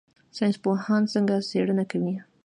ساینس پوهان څنګه څیړنه کوي؟